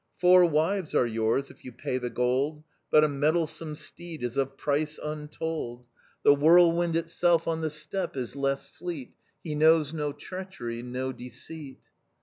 Four wives are yours if you pay the gold; But a mettlesome steed is of price untold; The whirlwind itself on the steppe is less fleet; He knows no treachery no deceit."